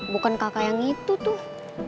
bukan kakak yang itu tuh